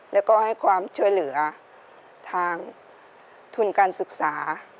แล้วก็ให้ความช่วยเหลือทางทุนการศึกษา